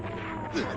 えっ？